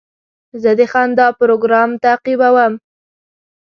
زه د خندا پروګرام تعقیبوم.